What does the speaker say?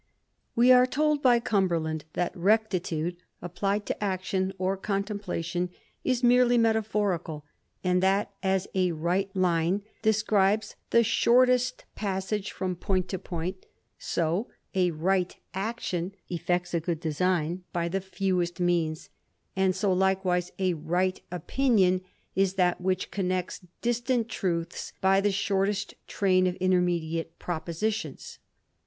We are told by Cumberland ^^X. rectitude^ applied to action or contemplation, is merely metaphorical ; and that as a right line describes the shortest passage from point to point, so a right action effects a good design by the fewest means; and so likewise a right opinion is that which, connects distant truths by the shortest train of intermediate propositions.